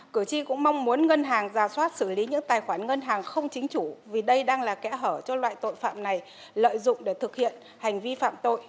cử tri cũng mong muốn ngân hàng giả soát xử lý những tài khoản ngân hàng không chính chủ vì đây đang là kẽ hở cho loại tội phạm này lợi dụng để thực hiện hành vi phạm tội